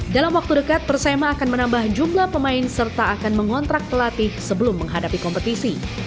dalam waktu dekat persema akan menambah jumlah pemain serta akan mengontrak pelatih sebelum menghadapi kompetisi